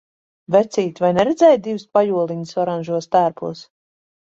Vecīt, vai neredzēji divus pajoliņus oranžos tērpos?